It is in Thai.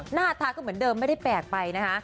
หน้าตาก็เหมือนเดิมไม่ได้แปลกไปนะคะ